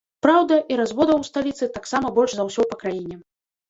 Праўда, і разводаў у сталіцы таксама больш за ўсё па краіне.